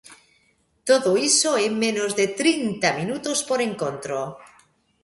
Todo iso e menos de trinta minutos por encontro.